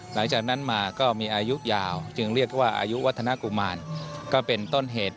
หลังจากนั้นมาก็มีอายุยาวจึงเรียกว่าอายุวัฒนากุมารก็เป็นต้นเหตุ